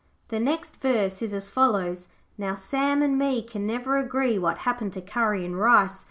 The next verse is as follows 'Now Sam an' me can never agree What happened to Curry and Rice.